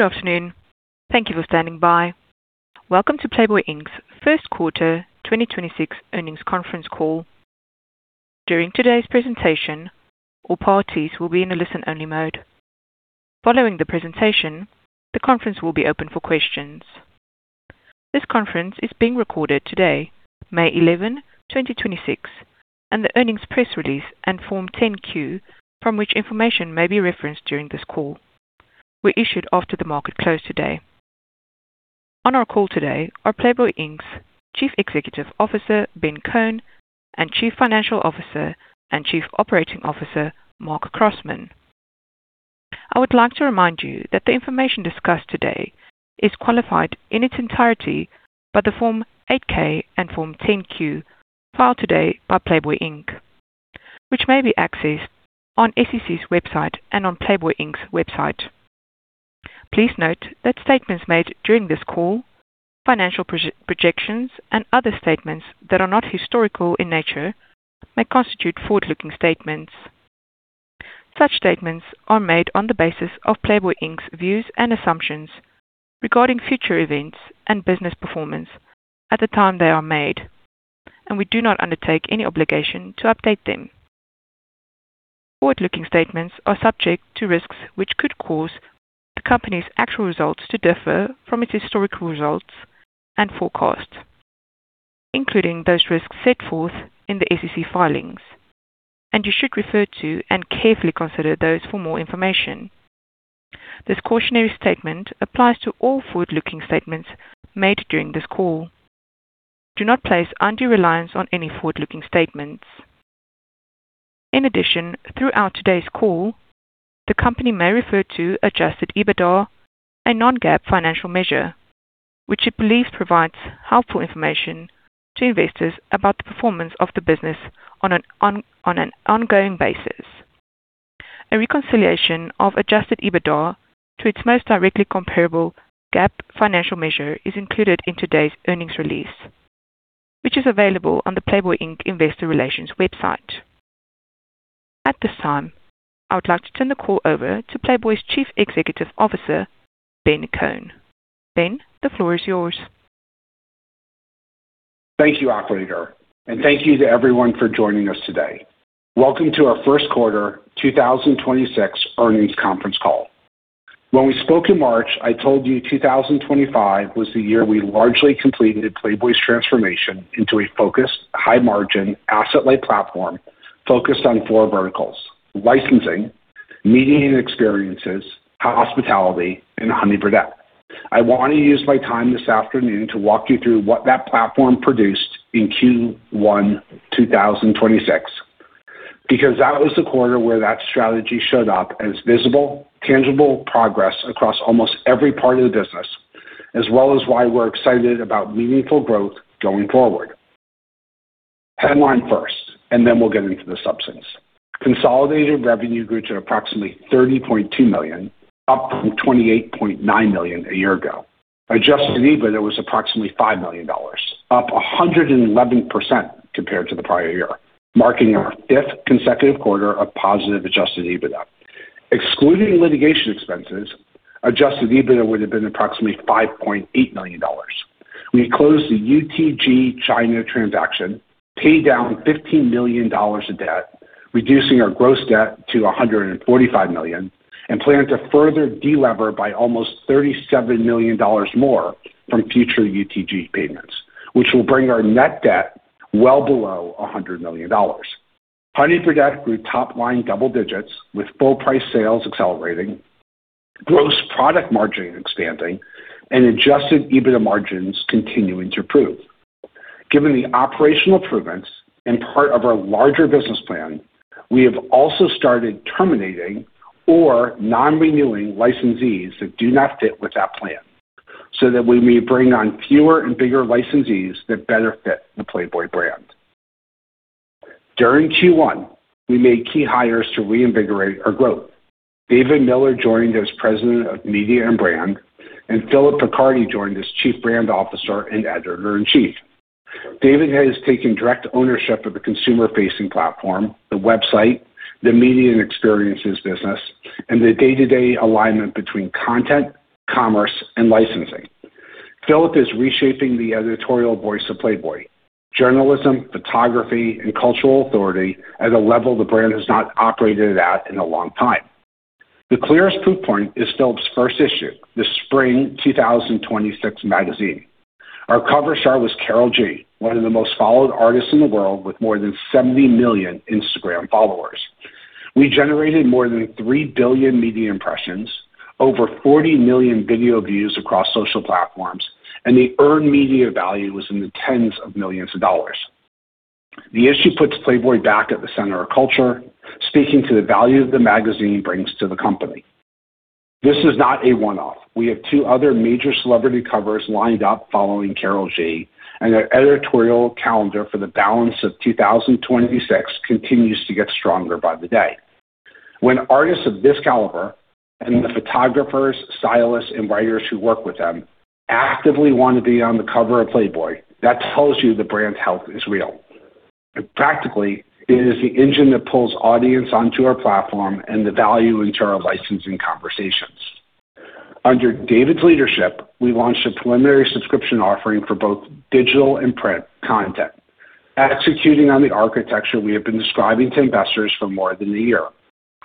Good afternoon. Thank you for standing by. Welcome to Playboy, Inc.'s first quarter 2026 earnings conference call. During today's presentation, all parties will be in a listen-only mode. Following the presentation, the conference will be open for questions. This conference is being recorded today, May 11, 2026, and the earnings press release and Form 10-Q, from which information may be referenced during this call, were issued after the market closed today. On our call today are Playboy, Inc.'s Chief Executive Officer, Ben Kohn, and Chief Financial Officer and Chief Operating Officer, Marc Crossman. I would like to remind you that the information discussed today is qualified in its entirety by the Form 8-K and Form 10-Q filed today by Playboy, Inc., which may be accessed on SEC's website and on Playboy, Inc.'s website. Please note that statements made during this call, financial projections, and other statements that are not historical in nature may constitute forward-looking statements. Such statements are made on the basis of Playboy, Inc.'s views and assumptions regarding future events and business performance at the time they are made, and we do not undertake any obligation to update them. Forward-looking statements are subject to risks which could cause the company's actual results to differ from its historical results and forecasts, including those risks set forth in the SEC filings, and you should refer to and carefully consider those for more information. This cautionary statement applies to all forward-looking statements made during this call. Do not place undue reliance on any forward-looking statements. In addition, throughout today's call, the company may refer to Adjusted EBITDA, a non-GAAP financial measure, which it believes provides helpful information to investors about the performance of the business on an ongoing basis. A reconciliation of Adjusted EBITDA to its most directly comparable GAAP financial measure is included in today's earnings release, which is available on the Playboy, Inc. investor relations website. At this time, I would like to turn the call over to Playboy's Chief Executive Officer, Ben Kohn. Ben, the floor is yours. Thank you, operator, and thank you to everyone for joining us today. Welcome to our first quarter 2026 earnings conference call. When we spoke in March, I told you 2025 was the year we largely completed Playboy's transformation into a focused high margin asset-light platform focused on four verticals: licensing, media and experiences, hospitality, and Honey Birdette. I want to use my time this afternoon to walk you through what that platform produced in Q1 2026 because that was the quarter where that strategy showed up as visible, tangible progress across almost every part of the business, as well as why we're excited about meaningful growth going forward. Headline first, then we'll get into the substance. Consolidated revenue grew to approximately $30.2 million, up from $28.9 million a year ago. Adjusted EBITDA was approximately $5 million, up 111% compared to the prior year, marking our fifth consecutive quarter of positive Adjusted EBITDA. Excluding litigation expenses, Adjusted EBITDA would have been approximately $5.8 million. We closed the UTG China transaction, paid down $15 million of debt, reducing our gross debt to $145 million, and plan to further de-lever by almost $37 million more from future UTG payments, which will bring our net debt well below $100 million. Honey Birdette grew top line double digits with full price sales accelerating, gross product margin expanding, and Adjusted EBITDA margins continuing to improve. Given the operational improvements and part of our larger business plan, we have also started terminating or non-renewing licensees that do not fit with that plan so that we may bring on fewer and bigger licensees that better fit the Playboy brand. During Q1, we made key hires to reinvigorate our growth. David Miller joined as President of Media and Brand, and Phillip Picardi joined as Chief Brand Officer and Editor-in-Chief. David has taken direct ownership of the consumer-facing platform, the website, the media and experiences business, and the day-to-day alignment between content, commerce, and licensing. Phillip is reshaping the editorial voice of Playboy, journalism, photography, and cultural authority at a level the brand has not operated at in a long time. The clearest proof point is Phillip's first issue, the Spring 2026 magazine. Our cover star was Karol G, one of the most followed artists in the world with more than 70 million Instagram followers. We generated more than $3 billion media impressions, over $40 million video views across social platforms, and the earned media value was in the tens of millions of dollars. The issue puts Playboy back at the center of culture, speaking to the value the magazine brings to the company. This is not a one-off. We have two other major celebrity covers lined up following Karol G, and our editorial calendar for the balance of 2026 continues to get stronger by the day. When artists of this caliber and the photographers, stylists, and writers who work with them actively want to be on the cover of Playboy, that tells you the brand's health is real. Practically, it is the engine that pulls audience onto our platform and the value into our licensing conversations. Under David's leadership, we launched a preliminary subscription offering for both digital and print content. Executing on the architecture we have been describing to investors for more than a year.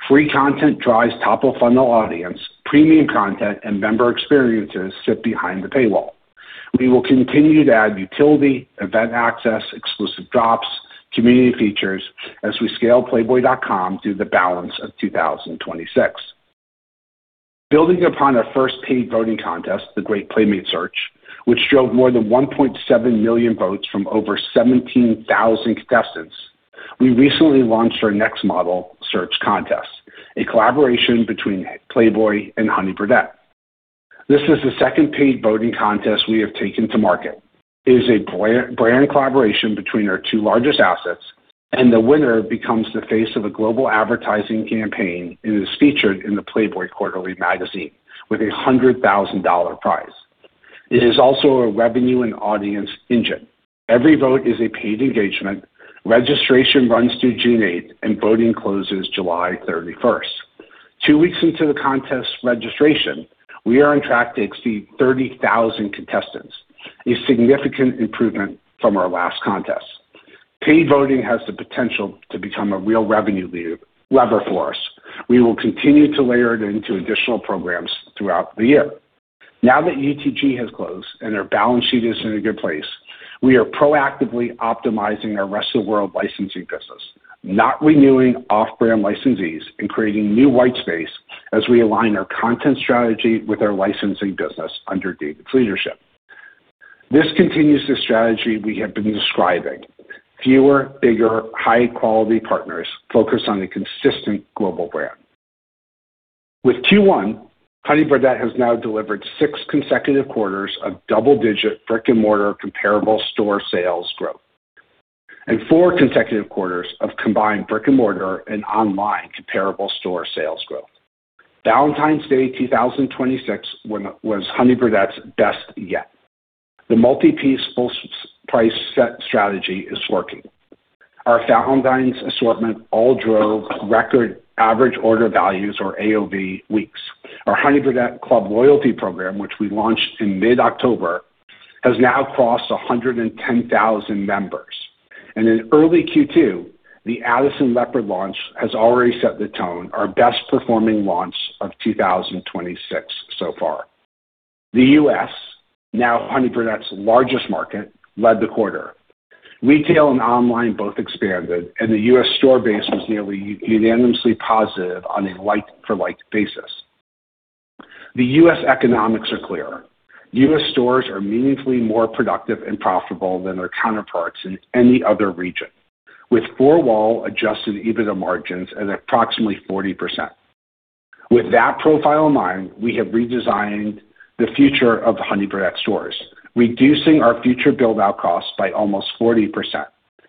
Free content drives top-of-funnel audience, premium content, and member experiences sit behind the paywall. We will continue to add utility, event access, exclusive drops, community features as we scale playboy.com through the balance of 2026. Building upon our first paid voting contest, The Great Playmate Search, which drove more than 1.7 million votes from over 17,000 contestants, we recently launched our next model search contest, a collaboration between Playboy and Honey Birdette. This is the second paid voting contest we have taken to market. It is a brand collaboration between our two largest assets, and the winner becomes the face of a global advertising campaign and is featured in the Playboy quarterly magazine with a $100,000 prize. It is also a revenue and audience engine. Every vote is a paid engagement. Registration runs through June 8th, and voting closes July 31st. Two weeks into the contest registration, we are on track to exceed 30,000 contestants, a significant improvement from our last contest. Paid voting has the potential to become a real revenue lever for us. We will continue to layer it into additional programs throughout the year. Now that UTG has closed and our balance sheet is in a good place, we are proactively optimizing our Rest of World licensing business, not renewing off-brand licensees and creating new white space as we align our content strategy with our licensing business under David's leadership. This continues the strategy we have been describing. Fewer, bigger, high-quality partners focused on a consistent global brand. With Q1, Honey Birdette has now delivered six consecutive quarters of double-digit brick-and-mortar comparable store sales growth and four consecutive quarters of combined brick-and-mortar and online comparable store sales growth. Valentine's Day 2026 was Honey Birdette's best yet. The multi-piece full price set strategy is working. Our Valentine's assortment all drove record average order values or AOV weeks. Our The Honey Club loyalty program, which we launched in mid-October, has now crossed 110,000 members. In early Q2, the Addison Leopard launch has already set the tone, our best-performing launch of 2026 so far. The U.S., now Honey Birdette's largest market, led the quarter. Retail and online both expanded, the U.S. store base was nearly unanimously positive on a like-for-like basis. The U.S. economics are clear. U.S. stores are meaningfully more productive and profitable than their counterparts in any other region, with four-wall Adjusted EBITDA margins at approximately 40%. With that profile in mind, we have redesigned the future of Honey Birdette stores, reducing our future build-out costs by almost 40%,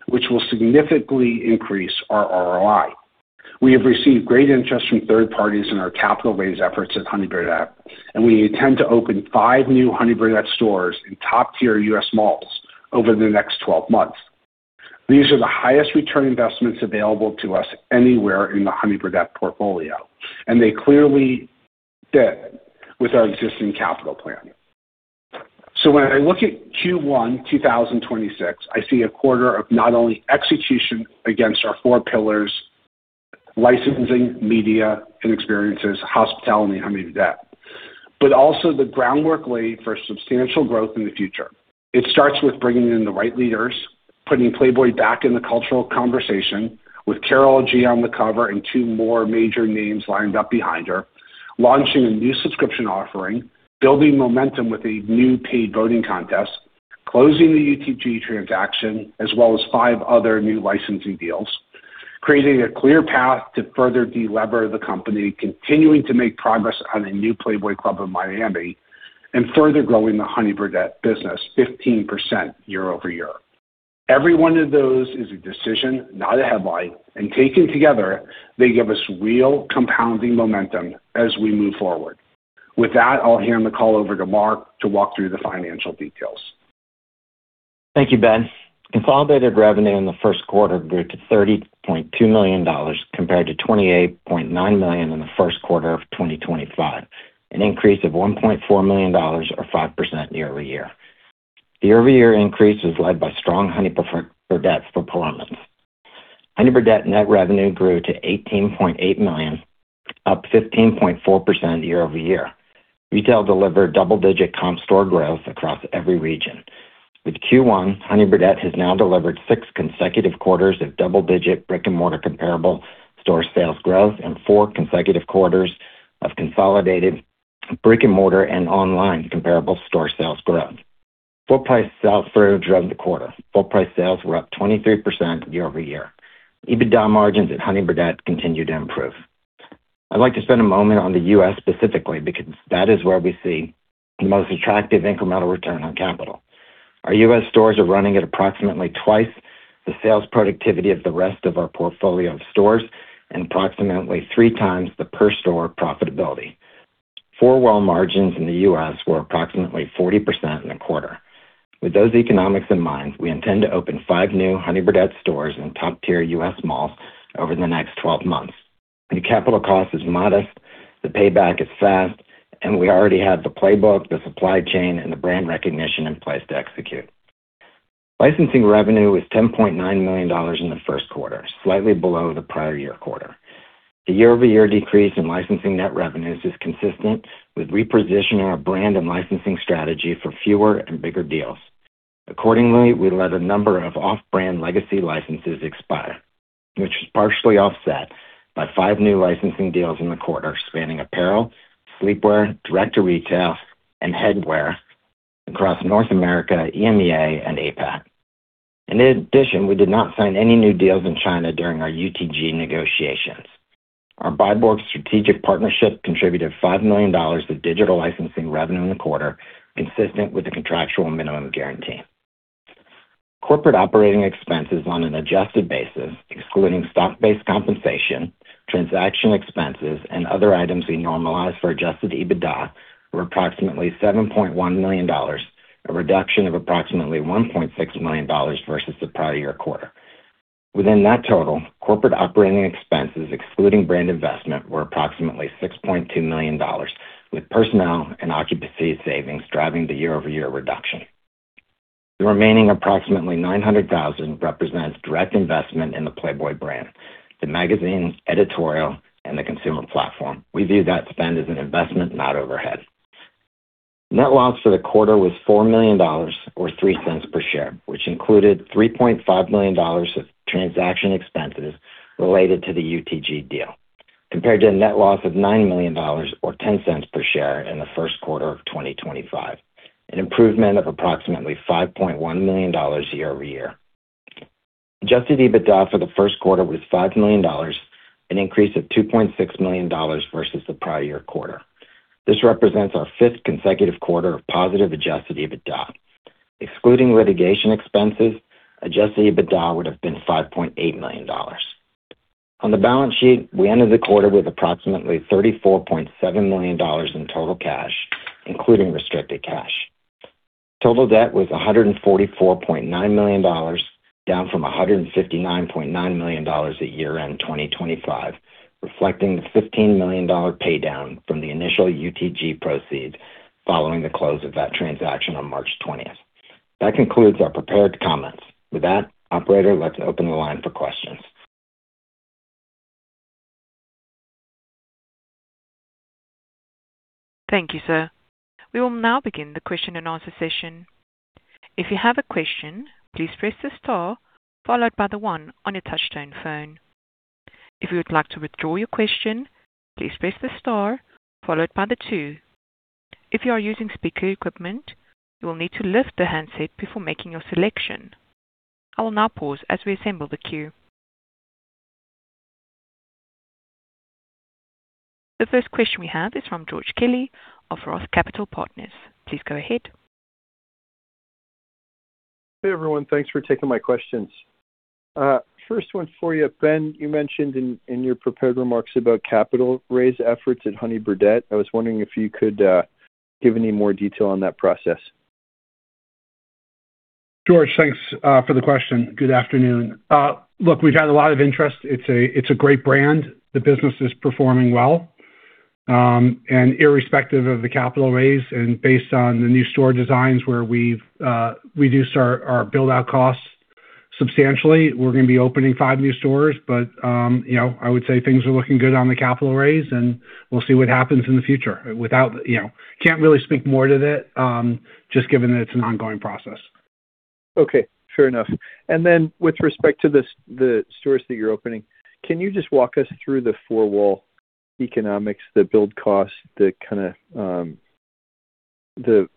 which will significantly increase our ROI. We have received great interest from third parties in our capital raise efforts at Honey Birdette, and we intend to open five new Honey Birdette stores in top-tier U.S. malls over the next 12 months. These are the highest return investments available to us anywhere in the Honey Birdette portfolio, and they clearly fit with our existing capital plan. When I look at Q1 2026, I see a quarter of not only execution against our four pillars, licensing, media, and experiences, hospitality, and Honey Birdette, but also the groundwork laid for substantial growth in the future. It starts with bringing in the right leaders, putting Playboy back in the cultural conversation with Karol G on the cover and two more major names lined up behind her, launching a new subscription offering, building momentum with a new paid voting contest, closing the UTG transaction, as well as five other new licensing deals, creating a clear path to further de-lever the company, continuing to make progress on a new Playboy Club in Miami, and further growing the Honey Birdette business 15% year-over-year. Every one of those is a decision, not a headline, and taken together, they give us real compounding momentum as we move forward. With that, I'll hand the call over to Marc to walk through the financial details. Thank you, Ben. Consolidated revenue in the first quarter grew to $30.2 million compared to $28.9 million in the first quarter of 2025, an increase of $1.4 million or 5% year-over-year. The year-over-year increase was led by strong Honey Birdette performance. Honey Birdette net revenue grew to $18.8 million, up 15.4% year-over-year. Retail delivered double-digit comp store growth across every region. With Q1, Honey Birdette has now delivered six consecutive quarters of double-digit brick-and-mortar comparable store sales growth and four consecutive quarters of consolidated brick-and-mortar and online comparable store sales growth. Full price sales further drove the quarter. Full price sales were up 23% year-over-year. EBITDA margins at Honey Birdette continue to improve. I'd like to spend a moment on the U.S. specifically because that is where we see the most attractive incremental return on capital. Our U.S. stores are running at approximately twice the sales productivity of the rest of our portfolio of stores and approximately three times the per store profitability. Four-wall margins in the U.S. were approximately 40% in the quarter. With those economics in mind, we intend to open five new Honey Birdette stores in top-tier U.S. malls over the next 12 months. The capital cost is modest, the payback is fast, and we already have the playbook, the supply chain, and the brand recognition in place to execute. Licensing revenue was $10.9 million in the first quarter, slightly below the prior year quarter. The year-over-year decrease in licensing net revenues is consistent with repositioning our brand and licensing strategy for fewer and bigger deals. Accordingly, we let a number of off-brand legacy licenses expire, which was partially offset by five new licensing deals in the quarter, spanning apparel, sleepwear, direct to retail, and headwear across North America, EMEA, and APAC. In addition, we did not sign any new deals in China during our UTG negotiations. Our ByteDance strategic partnership contributed $5 million of digital licensing revenue in the quarter, consistent with the contractual minimum guarantee. Corporate operating expenses on an adjusted basis, excluding stock-based compensation, transaction expenses, and other items we normalize for Adjusted EBITDA were approximately $7.1 million, a reduction of approximately $1.6 million versus the prior year quarter. Within that total, corporate operating expenses excluding brand investment were approximately $6.2 million, with personnel and occupancy savings driving the year-over-year reduction. The remaining approximately $900,000 represents direct investment in the Playboy brand, the magazine's editorial, and the consumer platform. We view that spend as an investment, not overhead. Net loss for the quarter was $4 million or $0.03 per share, which included $3.5 million of transaction expenses related to the UTG deal, compared to a net loss of $9 million or $0.10 per share in the first quarter of 2025, an improvement of approximately $5.1 million year-over-year. Adjusted EBITDA for the first quarter was $5 million, an increase of $2.6 million versus the prior year quarter. This represents our fifth consecutive quarter of positive Adjusted EBITDA. Excluding litigation expenses, Adjusted EBITDA would have been $5.8 million. On the balance sheet, we ended the quarter with approximately $34.7 million in total cash, including restricted cash. Total debt was $144.9 million, down from $159.9 million at year-end 2025, reflecting the $15 million pay down from the initial UTG proceed following the close of that transaction on March 20th. That concludes our prepared comments. Operator, let's open the line for questions. Thank you, sir. We will now begin the question and answer session. If you have a question, please press the star followed by the one on your touch tone phone. If you would like to withdraw your question, please press the star followed by the two. If you are using speaker equipment, you will need to lift the handset before making your selection. I will now pause as we assemble the queue. The first question we have is from George Kelly of ROTH Capital Partners. Please go ahead. Hey, everyone. Thanks for taking my questions. First one for you, Ben, you mentioned in your prepared remarks about capital raise efforts at Honey Birdette. I was wondering if you could give any more detail on that process. George, thanks, for the question. Good afternoon. Look, we've had a lot of interest. It's a, it's a great brand. The business is performing well. Irrespective of the capital raise and based on the new store designs where we've reduced our build-out costs substantially, we're gonna be opening five new stores. You know, I would say things are looking good on the capital raise, and we'll see what happens in the future. You know, can't really speak more to it, just given that it's an ongoing process. Okay, fair enough. Then with respect to the stores that you're opening, can you just walk us through the four-wall economics, the build cost, the kinda, the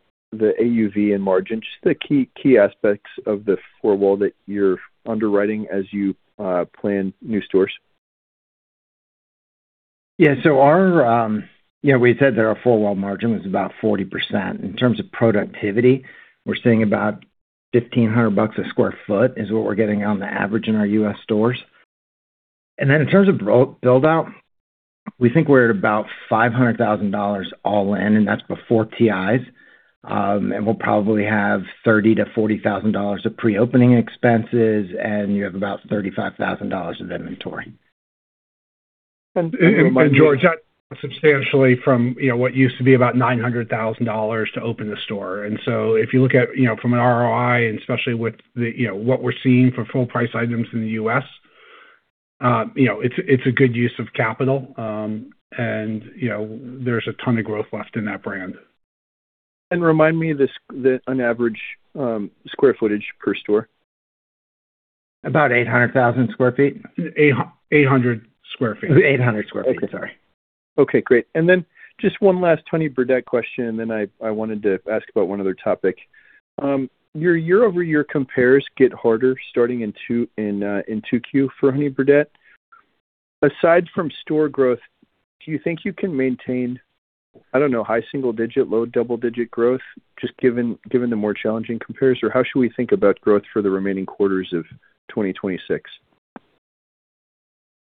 AUV and margin, just the key aspects of the four-wall that you're underwriting as you plan new stores? Yeah. Our, you know, we said that our four-wall margin was about 40%. In terms of productivity, we're seeing about $1,500 a sq ft is what we're getting on the average in our U.S. stores. In terms of build-out, we think we're at about $500,000 all in, and that's before TIs. We'll probably have $30,000-$40,000 of pre-opening expenses, and you have about $35,000 of inventory. Remind me. George, that substantially from, you know, what used to be about $900,000 to open a store. If you look at, you know, from an ROI, and especially with the, you know, what we're seeing for full price items in the U.S., you know, it's a good use of capital. You know, there's a ton of growth left in that brand. remind me the on average, square footage per store? About 800,000 sq ft. 800 sq ft. 800 sq ft. Sorry. Okay. Okay, great. Just 1 last Honey Birdette question, I wanted to ask about 1 other topic. Your year-over-year compares get harder starting in 2Q for Honey Birdette. Aside from store growth, do you think you can maintain, I don't know, high single digit, low double digit growth just given the more challenging compares? How should we think about growth for the remaining quarters of 2026?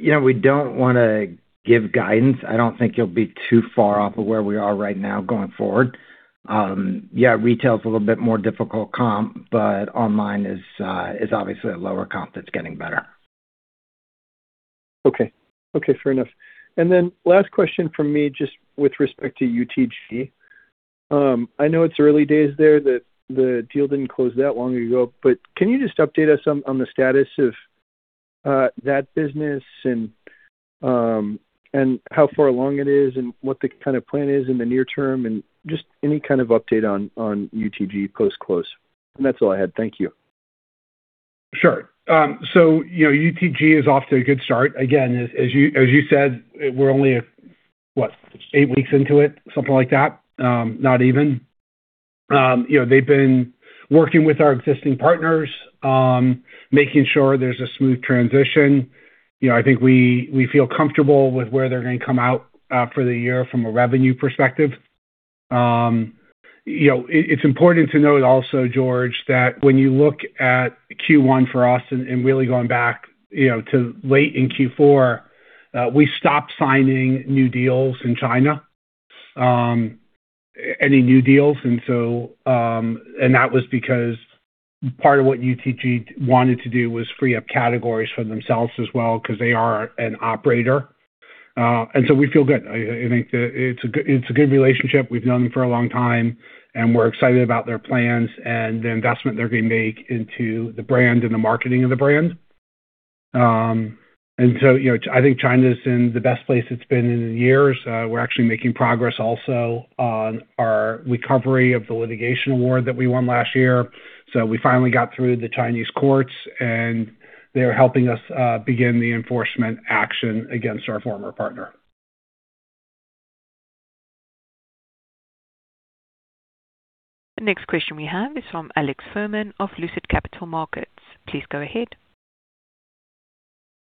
You know, we don't wanna give guidance. I don't think you'll be too far off of where we are right now going forward. Retail is a little bit more difficult comp, but online is obviously a lower comp that's getting better. Okay. Okay, fair enough. Last question from me, just with respect to UTG. I know it's early days there that the deal didn't close that long ago, can you just update us on the status of that business and how far along it is and what the kind of plan is in the near term, and just any kind of update on UTG post-close. That's all I had. Thank you. Sure. You know, UTG is off to a good start. Again, as you said, we're only, what, eight weeks into it, something like that, not even. You know, they've been working with our existing partners, making sure there's a smooth transition. You know, I think we feel comfortable with where they're gonna come out for the year from a revenue perspective. You know, it's important to note also, George, that when you look at Q1 for us and really going back, you know, to late in Q4, we stopped signing new deals in China, any new deals. That was because part of what UTG wanted to do was free up categories for themselves as well, 'cause they are an operator. We feel good. I think that it's a good relationship. We've known them for a long time, we're excited about their plans and the investment they're gonna make into the brand and the marketing of the brand. You know, I think China's in the best place it's been in years. We're actually making progress also on our recovery of the litigation award that we won last year. We finally got through the Chinese courts, and they're helping us begin the enforcement action against our former partner. The next question we have is from Alex Fuhrman of Lucid Capital Markets. Please go ahead.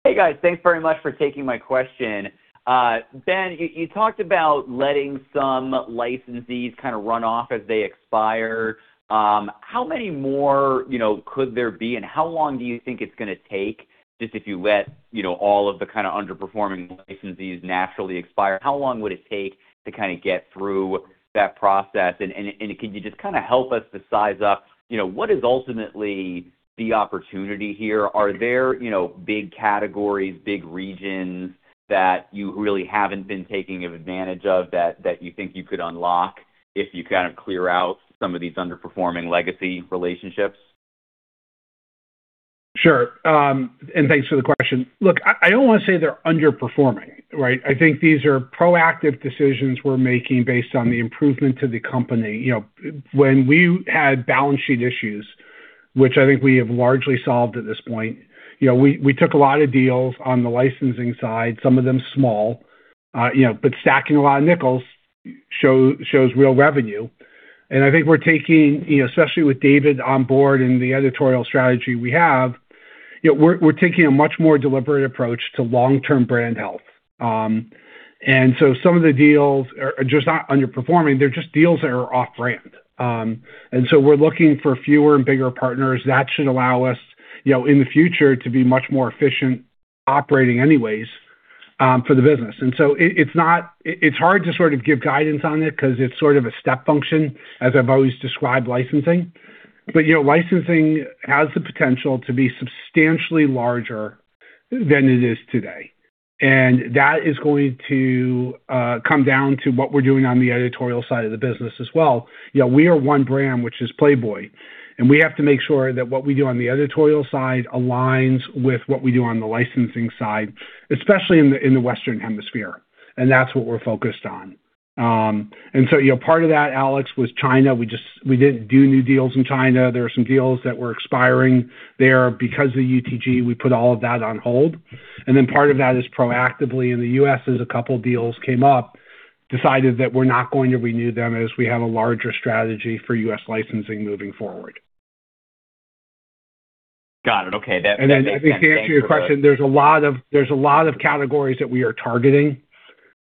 Hey, guys. Thanks very much for taking my question. Ben, you talked about letting some licensees kind of run off as they expire. How many more, you know, could there be, and how long do you think it's gonna take just if you let, you know, all of the kinda underperforming licensees naturally expire? How long would it take to kinda get through that process? Could you just kinda help us to size up, you know, what is ultimately the opportunity here? Are there, you know, big categories, big regions that you really haven't been taking advantage of that you think you could unlock if you kind of clear out some of these underperforming legacy relationships? Sure. Thanks for the question. Look, I don't wanna say they're underperforming, right? I think these are proactive decisions we're making based on the improvement to the company. You know, when we had balance sheet issues, which I think we have largely solved at this point, you know, we took a lot of deals on the licensing side, some of them small. You know, stacking a lot of nickels show, shows real revenue. I think we're taking, you know, especially with David on board and the editorial strategy we have, you know, we're taking a much more deliberate approach to long-term brand health. Some of the deals are just not underperforming, they're just deals that are off-brand. We're looking for fewer and bigger partners. That should allow us, you know, in the future, to be much more efficient operating anyways for the business. It's hard to sort of give guidance on it 'cause it's sort of a step function, as I've always described licensing. You know, licensing has the potential to be substantially larger than it is today. That is going to come down to what we're doing on the editorial side of the business as well. You know, we are one brand, which is Playboy, and we have to make sure that what we do on the editorial side aligns with what we do on the licensing side, especially in the Western Hemisphere, and that's what we're focused on. You know, part of that, Alex, was China. We didn't do new deals in China. There were some deals that were expiring there. Because of UTG, we put all of that on hold. Part of that is proactively in the U.S., as a couple deals came up, decided that we're not going to renew them as we have a larger strategy for U.S. licensing moving forward. Got it. Okay. That makes sense. I think to answer your question, there's a lot of categories that we are targeting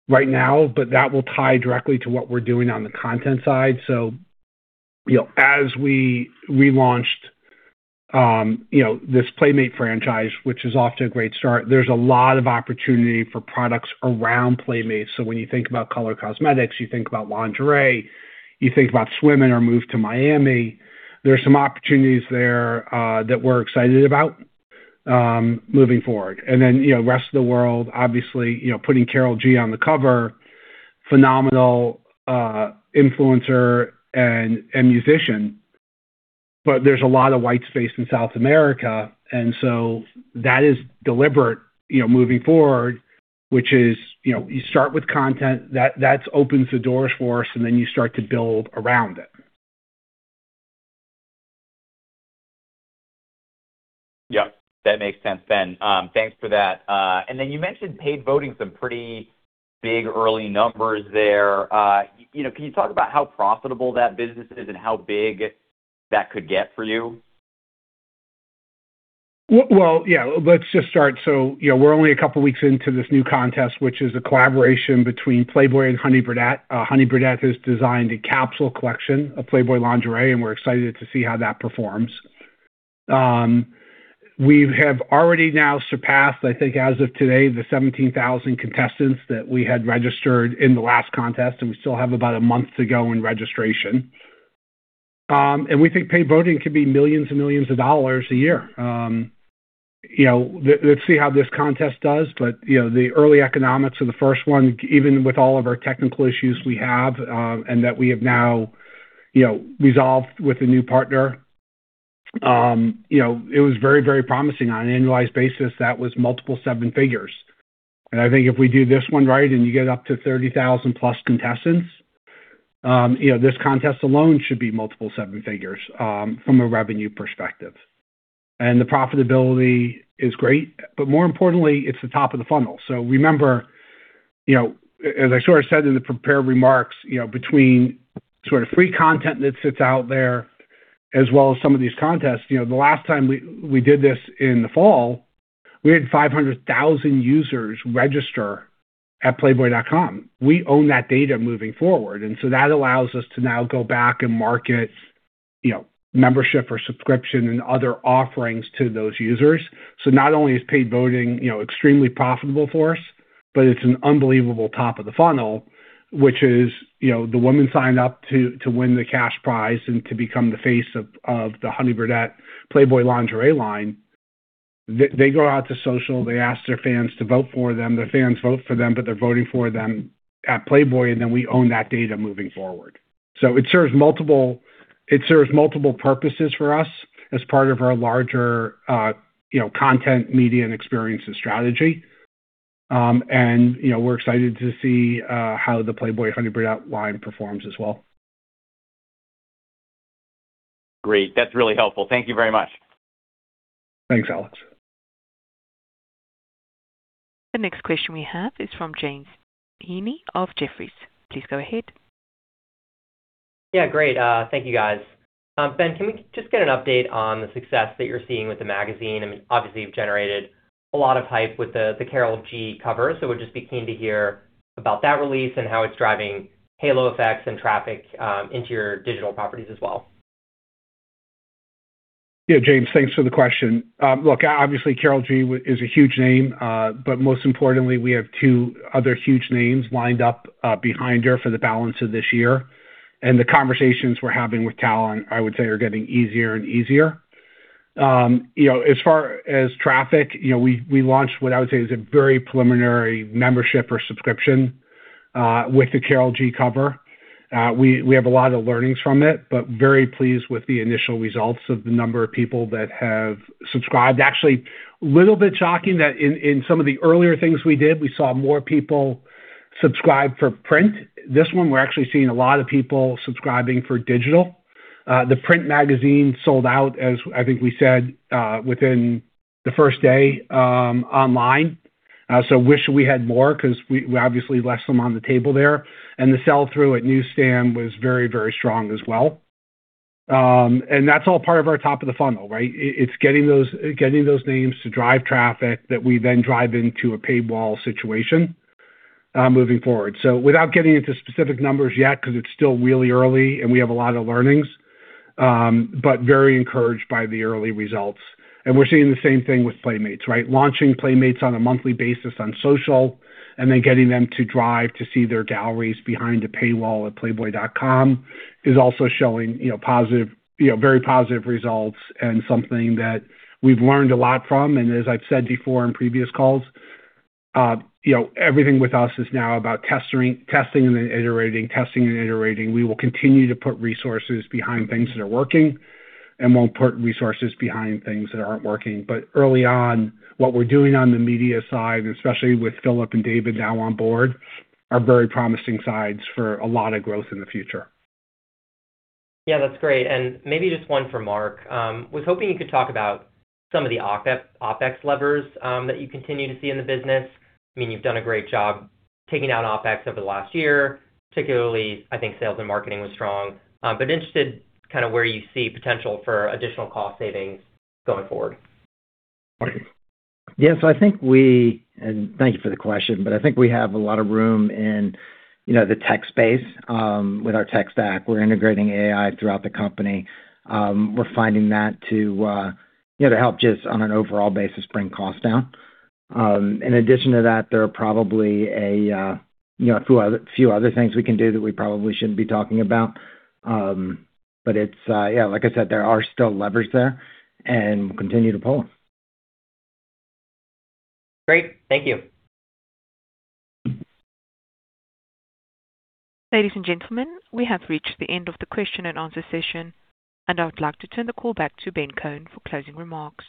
right now, but that will tie directly to what we're doing on the content side. You know, as we relaunched, you know, this Playmate franchise, which is off to a great start, there's a lot of opportunity for products around Playmates. When you think about color cosmetics, you think about lingerie, you think about swim in our move to Miami, there are some opportunities there that we're excited about moving forward. You know, rest of the world, obviously, you know, putting Karol G on the cover, phenomenal influencer and musician. There's a lot of white space in South America, and so that is deliberate, you know, moving forward, which is, you know, you start with content that opens the doors for us, and then you start to build around it. Yeah. That makes sense, Ben. Thanks for that. You mentioned paid voting, some pretty big early numbers there. You know, can you talk about how profitable that business is and how big that could get for you? Yeah. Let's just start. You know, we're only a couple weeks into this new contest, which is a collaboration between Playboy and Honey Birdette. Honey Birdette has designed a capsule collection of Playboy lingerie, and we're excited to see how that performs. We have already now surpassed, I think as of today, the 17,000 contestants that we had registered in the last contest, and we still have about a month to go in registration. We think paid voting could be millions and millions of dollars a year. You know, let's see how this contest does. You know, the early economics of the first one, even with all of our technical issues we have, and that we have now, you know, resolved with a new partner, you know, it was very, very promising. On an annualized basis, that was multiple seven figures. I think if we do this one right and you get up to 30,000 plus contestants, you know, this contest alone should be multiple seven figures from a revenue perspective. The profitability is great, but more importantly, it's the top of the funnel. Remember, you know, as I sort of said in the prepared remarks, you know, between sort of free content that sits out there as well as some of these contests, you know, the last time we did this in the fall, we had 500,000 users register at playboy.com. We own that data moving forward, that allows us to now go back and market, you know, membership or subscription and other offerings to those users. Not only is paid voting, you know, extremely profitable for us, but it's an unbelievable top of the funnel, which is, you know, the women sign up to win the cash prize and to become the face of the Honey Birdette Playboy lingerie line. They go out to social. They ask their fans to vote for them. Their fans vote for them, but they're voting for them at Playboy, and then we own that data moving forward. It serves multiple purposes for us as part of our larger, you know, content, media, and experiences strategy. You know, we're excited to see how the Playboy Honey Birdette line performs as well. Great. That's really helpful. Thank you very much. Thanks, Alex. The next question we have is from James Heaney of Jefferies. Please go ahead. Yeah, great. Thank you, guys. Ben, can we just get an update on the success that you're seeing with the magazine? I mean, obviously, you've generated a lot of hype with the Karol G cover, we'd just be keen to hear about that release and how it's driving halo effects and traffic into your digital properties as well. James, thanks for the question. Look, obviously Karol G is a huge name, but most importantly, we have two other huge names lined up behind her for the balance of this year. The conversations we're having with talent, I would say, are getting easier and easier. You know, as far as traffic, you know, we launched what I would say is a very preliminary membership or subscription with the Karol G cover. We have a lot of learnings from it, but very pleased with the initial results of the number of people that have subscribed. Actually, a little bit shocking that in some of the earlier things we did, we saw more people subscribe for print. This one, we're actually seeing a lot of people subscribing for digital. The print magazine sold out as, I think we said, within the first day, online. Wish we had more because we obviously left some on the table there. The sell-through at Newsstand was very strong as well. That's all part of our top of the funnel, right? It's getting those names to drive traffic that we then drive into a paywall situation, moving forward. Without getting into specific numbers yet, because it's still really early and we have a lot of learnings, very encouraged by the early results. We're seeing the same thing with Playmates, right? Launching Playmates on a monthly basis on social and then getting them to drive to see their galleries behind a paywall at playboy.com is also showing, you know, positive, you know, very positive results and something that we've learned a lot from. As I've said before in previous calls, you know, everything with us is now about testing and then iterating, testing and iterating. We will continue to put resources behind things that are working, and we'll put resources behind things that aren't working. Early on, what we're doing on the media side, especially with Phillip and David now on board, are very promising sides for a lot of growth in the future. Yeah, that's great. Maybe just one for Marc. Was hoping you could talk about some of the OpEx levers that you continue to see in the business. I mean, you've done a great job taking out OpEx over the last year. Particularly, I think sales and marketing was strong. Interested kind of where you see potential for additional cost savings going forward. Yeah. And thank you for the question, I think we have a lot of room in, you know, the tech space with our tech stack. We're integrating AI throughout the company. We're finding that to, you know, to help just on an overall basis bring costs down. In addition to that, there are probably a, you know, a few other things we can do that we probably shouldn't be talking about. It's, Yeah, like I said, there are still levers there, and we'll continue to pull them. Great. Thank you. Ladies and gentlemen, we have reached the end of the question and answer session, and I would like to turn the call back to Ben Kohn for closing remarks.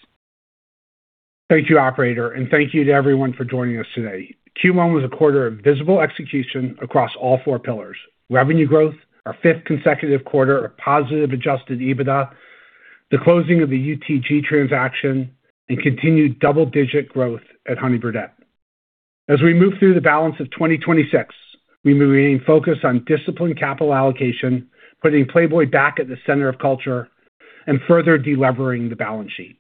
Thank you, operator, and thank you to everyone for joining us today. Q1 was a quarter of visible execution across all four pillars: Revenue growth, our fifth consecutive quarter of positive Adjusted EBITDA, the closing of the UTG transaction, and continued double-digit growth at Honey Birdette. As we move through the balance of 2026, we remain focused on disciplined capital allocation, putting Playboy back at the center of culture and further delevering the balance sheet.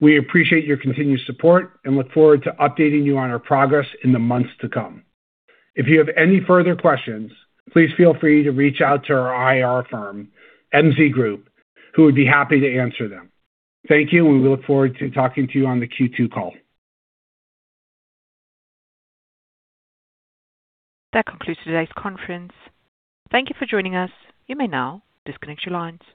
We appreciate your continued support and look forward to updating you on our progress in the months to come. If you have any further questions, please feel free to reach out to our IR firm, MZ Group, who would be happy to answer them. Thank you. We look forward to talking to you on the Q2 call. That concludes today's conference. Thank you for joining us. You may now disconnect your lines.